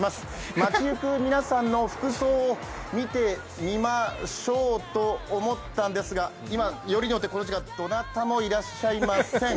街行く皆さんの服装を見てみましょうと思ったんですが、今、よりによってこの時間どなたもいらっしゃいません。